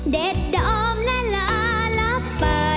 เด็ดดออมและลารลับไป